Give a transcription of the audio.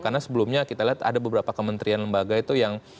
karena sebelumnya kita lihat ada beberapa kementerian lembaga itu yang